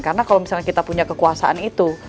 karena kalau misalnya kita punya kekuasaan itu